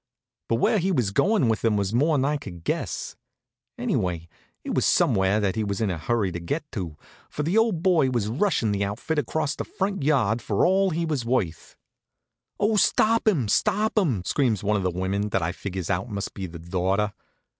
But where he was goin' with him was more'n I could guess. Anyway, it was somewhere that he was in a hurry to get to, for the old boy was rushin' the outfit across the front yard for all he was worth. [Illustration: In the top of the tea wagon, was Babbitt.] "Oh, stop him, stop him!" screams one of the women, that I figures out must be the daughter.